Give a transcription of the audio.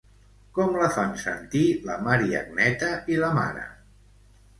Com la fan sentir la Mariagneta i la mare?